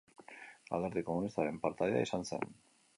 Alderdi Komunistaren partaidea izan zen.